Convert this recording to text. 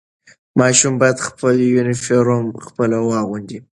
ماشوم باید خپل یونیفرم خپله واغوندي.